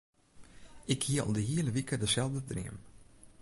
Ik hie al de hiele wike deselde dream.